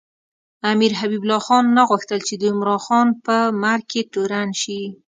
امیر حبیب الله خان نه غوښتل چې د عمراخان په مرګ کې تورن شي.